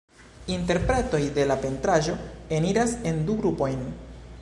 Interpretoj de la pentraĵo eniras en du grupojn.